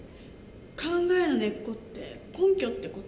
考えの根っこって根拠って事？